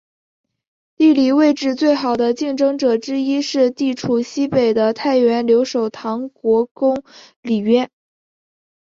地理位置最好的竞争者之一是地处西北的太原留守唐国公李渊。